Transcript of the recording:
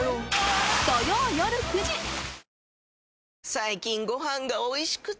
最近ご飯がおいしくて！